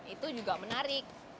itu juga menarik